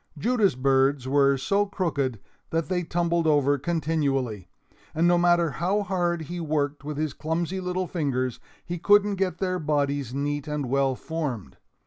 Judas' birds were so crooked that they tumbled over continually; and no matter how hard he worked with his clumsy little fingers, he couldn't get their bodies neat and well formed.